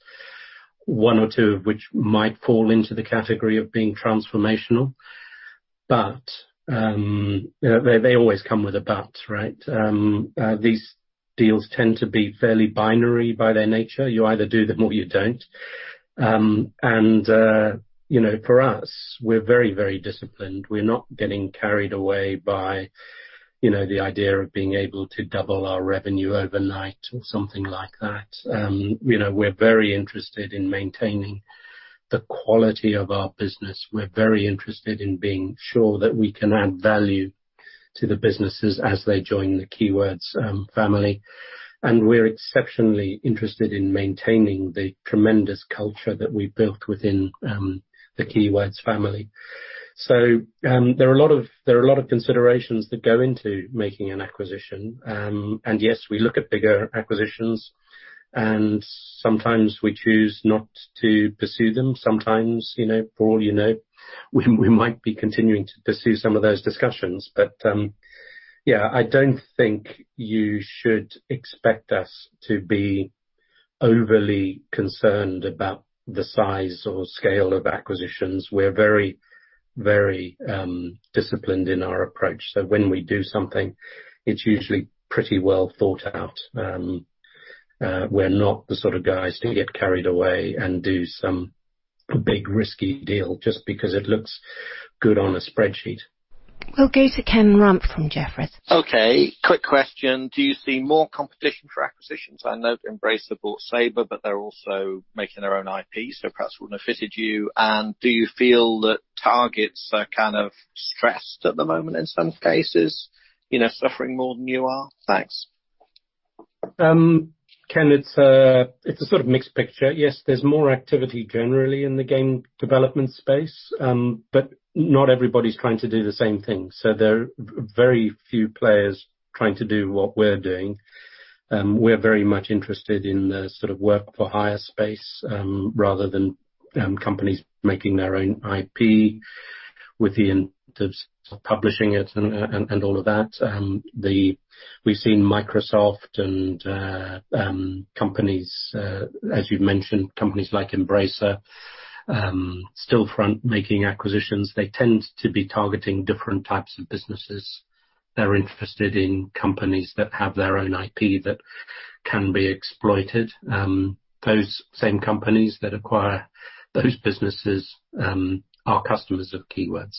one or two of which might fall into the category of being transformational. They always come with a but, right? These deals tend to be fairly binary by their nature. You either do them or you don't. For us, we're very disciplined. We're not getting carried away by the idea of being able to double our revenue overnight or something like that. We're very interested in maintaining the quality of our business. We're very interested in being sure that we can add value to the businesses as they join the Keywords family, and we're exceptionally interested in maintaining the tremendous culture that we've built within the Keywords family. There are a lot of considerations that go into making an acquisition. Yes, we look at bigger acquisitions and sometimes we choose not to pursue them. Sometimes, Paul you know, we might be continuing to pursue some of those discussions. Yeah, I don't think you should expect us to be overly concerned about the size or scale of acquisitions. We're very disciplined in our approach, so when we do something, it's usually pretty well thought out. We're not the sort of guys to get carried away and do some big risky deal just because it looks good on a spreadsheet. We'll go to Ken Rumph from Jefferies. Okay. Quick question. Do you see more competition for acquisitions? I know Embracer bought Saber, but they're also making their own IP, so perhaps wouldn't have fitted you. Do you feel that targets are kind of stressed at the moment in some cases, suffering more than you are? Thanks. Ken, it's a sort of mixed picture. Yes, there's more activity generally in the game development space, but not everybody's trying to do the same thing. There are very few players trying to do what we're doing. We're very much interested in the sort of work-for-hire space, rather than companies making their own IP with the intent of publishing it and all of that. We've seen Microsoft and companies, as you've mentioned, companies like Embracer Stillfront making acquisitions. They tend to be targeting different types of businesses. They're interested in companies that have their own IP that can be exploited. Those same companies that acquire those businesses are customers of Keywords.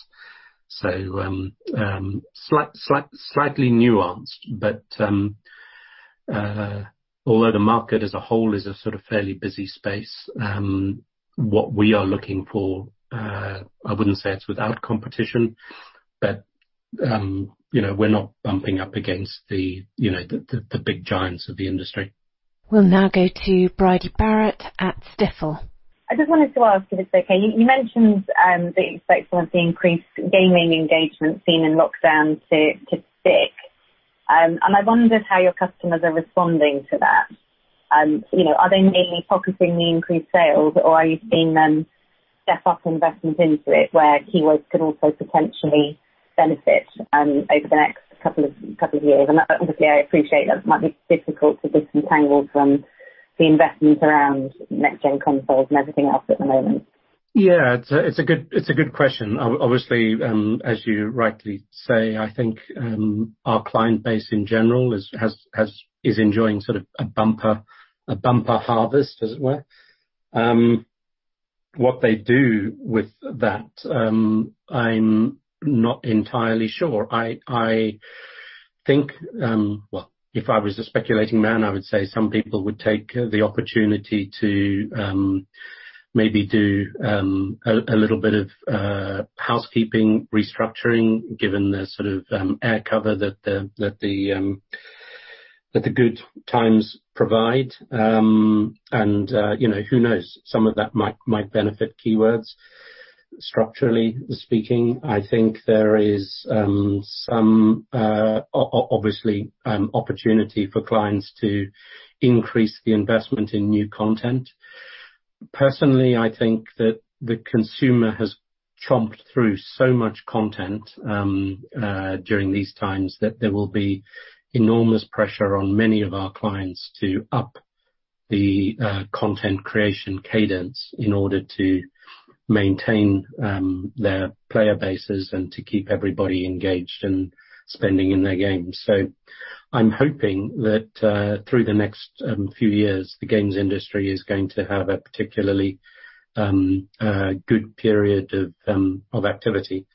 Slightly nuanced, but although the market as a whole is a sort of fairly busy space, what we are looking for, I wouldn't say it's without competition, but we're not bumping up against the big giants of the industry. We'll now go to Bridie Barrett at Stifel. I just wanted to ask if it's okay. You mentioned that you expect some of the increased gaming engagement seen in lockdowns to stick. I wondered how your customers are responding to that. Are they merely pocketing the increased sales, or are you seeing them step up investments into it where Keywords could also potentially benefit over the next couple of years? Obviously, I appreciate that might be difficult to disentangle from the investment around next-gen consoles and everything else at the moment. As you rightly say, I think our client base in general is enjoying sort of a bumper harvest, as it were. What they do with that, I'm not entirely sure. Well, if I was a speculating man, I would say some people would take the opportunity to maybe do a little bit of housekeeping restructuring, given the sort of air cover that the good times provide. Who knows? Some of that might benefit Keywords structurally speaking. I think there is obviously some opportunity for clients to increase the investment in new content. Personally, I think that the consumer has chomped through so much content during these times that there will be enormous pressure on many of our clients to up the content creation cadence in order to maintain their player bases and to keep everybody engaged and spending in their games. I'm hoping that through the next few years, the games industry is going to have a particularly good period of activity.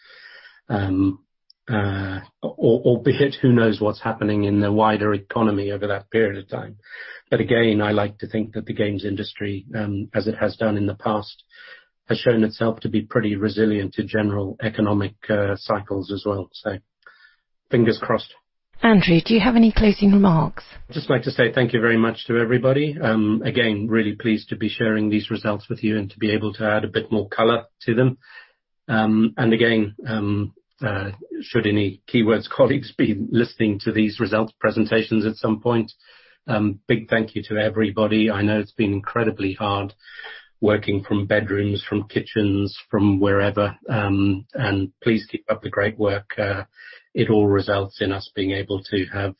Albeit who knows what's happening in the wider economy over that period of time. Again, I like to think that the games industry as it has done in the past, has shown itself to be pretty resilient to general economic cycles as well. Fingers crossed. Andrew, do you have any closing remarks? Just like to say thank you very much to everybody. Really pleased to be sharing these results with you and to be able to add a bit more color to them. Should any Keywords colleagues be listening to these results presentations at some point, big thank you to everybody. I know it's been incredibly hard working from bedrooms, from kitchens, from wherever. Please keep up the great work. It all results in us being able to have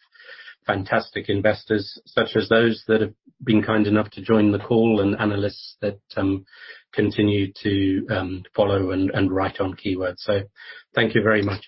fantastic investors such as those that have been kind enough to join the call, and analysts that continue to follow and write on Keywords. Thank you very much.